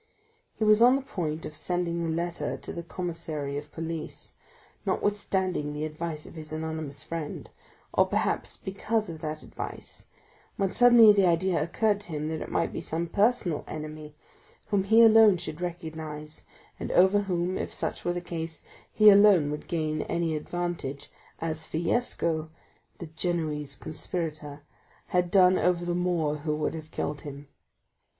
He was on the point of sending the letter to the commissary of police, notwithstanding the advice of his anonymous friend, or perhaps because of that advice, when suddenly the idea occurred to him that it might be some personal enemy, whom he alone should recognize and over whom, if such were the case, he alone would gain any advantage, as Fiesco17 had done over the Moor who would have killed him.